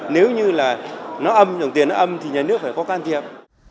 nếu như là nó âm đồng tiền nó âm thì nhà nước phải có can thiệp